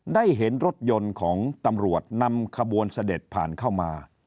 ได้เห็นรถยนต์ของตำรวจนำขบวนเสด็จผ่านเข้ามา